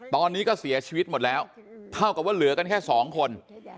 ตอนนี้ก็เสียชีวิตหมดแล้วเท่ากับว่าเหลือกันแค่สองคน